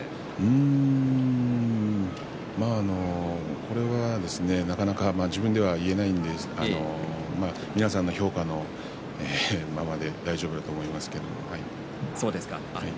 うーんこれはなかなか自分では言えないので皆さんの評価のままで大丈夫だと思いますけど、はい。